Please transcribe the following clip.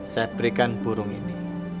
saya berikan burung ini